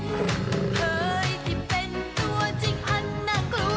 คุณเคยที่เป็นตัวจริงอันน่ากลัว